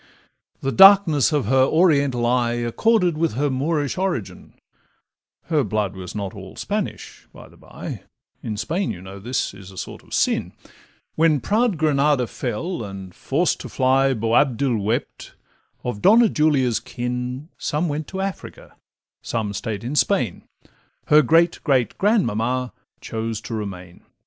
The darkness of her Oriental eye Accorded with her Moorish origin (Her blood was not all Spanish, by the by; In Spain, you know, this is a sort of sin); When proud Granada fell, and, forced to fly, Boabdil wept, of Donna Julia's kin Some went to Africa, some stay'd in Spain, Her great great grandmamma chose to remain.